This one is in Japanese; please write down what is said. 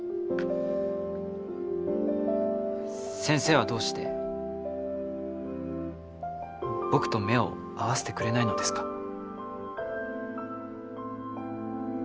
先生はどうして僕と目を合わせてくれないのですか？